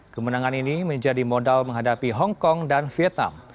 kemenangan ini menjadi modal menghadapi hong kong dan vietnam